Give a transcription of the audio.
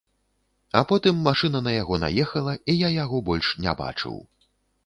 А потым машына на яго наехала і я яго больш не бачыў.